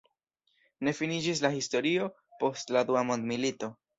Ne finiĝis la historio post la dua mondomilito.